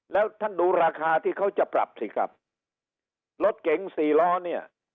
แล้วท่านดูราคาที่เขาจะปรับสิครับรถเก๋งสี่ล้อเนี่ย